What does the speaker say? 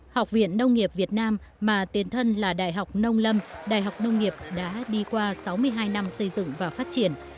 học viện nông nghiệp việt nam mà tiền thân là đại học nông lâm đại học nông nghiệp đã đi qua sáu mươi hai năm xây dựng và phát triển